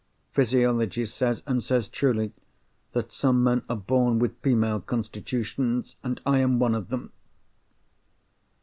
Physiology says, and says truly, that some men are born with female constitutions—and I am one of them!"